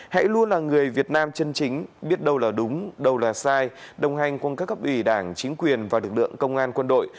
hãy luôn là người việt nam chân chính biết đâu là đúng đâu là sai đồng hành cùng các cấp ủy đảng chính quyền và lực lượng công an quân đội